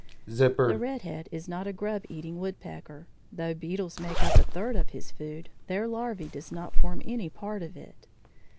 The red head is not a grub eating woodpecker. Though beetles make up a third of his food, their larvæ do not form any part of it.